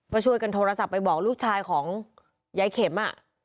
ก็ช่วยกันโทรศัพท์ไปบอกลูกชายของยายเข็ม